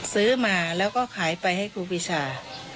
ซื้อมาแล้วก็ขายไปให้ครูปีชา